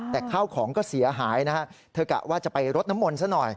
แต่ข้าวของก็เสียหายนะฮะเธอกะว่าจะไปรดน้ำมนต์ซะหน่อย